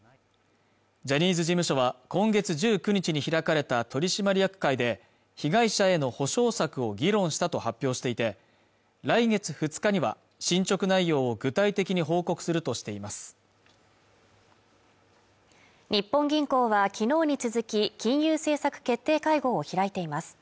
ジャニーズ事務所は今月１９日に開かれた取締役会で被害者への補償策を議論したと発表していて来月２日には進捗内容を具体的に報告するとしています日本銀行はきのうに続き金融政策決定会合を開いています